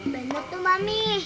bener tuh mami